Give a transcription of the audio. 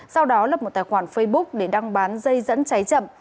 sau đó lập một tài khoản facebook để đăng bán dây dẫn cháy chậm